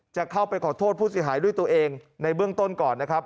จะเข้าไปขอโทษผู้เสียหายด้วยตัวเองในเบื้องต้นก่อนนะครับ